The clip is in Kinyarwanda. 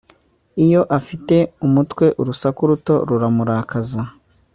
iyo afite umutwe, urusaku ruto ruramurakaza